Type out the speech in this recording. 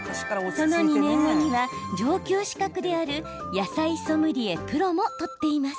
その２年後には上級資格である野菜ソムリエプロも取っています。